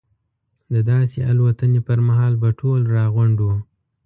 د داسې الوتنې پر مهال به ټول راغونډ وو.